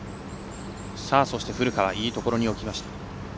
古川いいところに置きました。